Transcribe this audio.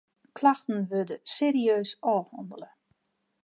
Klachten wurde serieus ôfhannele.